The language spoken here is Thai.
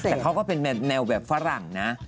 แต่เขาก็เป็นแนวแบบฝรั่งนะ